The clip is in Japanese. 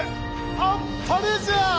あっぱれじゃ！